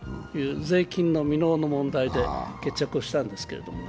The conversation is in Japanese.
税金の未納の問題で決着をしたんですけれども。